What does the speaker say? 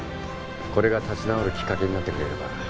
これが立ち直るきっかけになってくれれば。